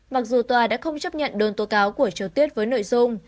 mặc dù tòa đã không chấp nhận đơn tố cáo của triều tuyết với nội dung